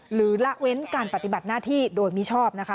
ละเว้นการปฏิบัติหน้าที่โดยมิชอบนะคะ